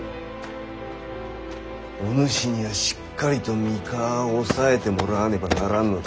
お主にはしっかりと三河を押さえてもらわねばならんのだ。